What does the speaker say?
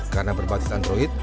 karena berbasis android